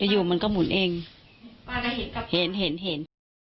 อยู่มันก็หมุนเองป้าก็เห็นกับเห็นเห็น